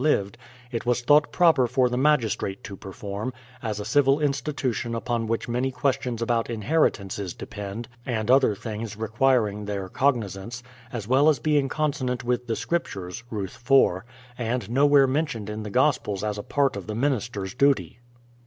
86 BRADFORD'S HISTORY OF In which they had Hved, it was thought proper for the magistrate to perform, as a civil institution upon which many questions about inheritances depend, and other things requiring their cognizance, as well as being consonant with the scriptures (Ruth iv), and nowhere mentioned in the gospels as a part of the minister's duty.